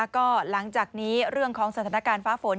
ก็หลังจากนี้เรื่องของสถานการณ์ฟ้าฝน